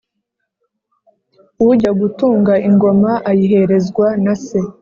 ujya gutunga ingoma ayiherezwa na se!